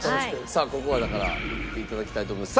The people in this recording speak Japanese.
さあここはだからいって頂きたいと思います。